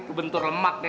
kebentur lemak ya kan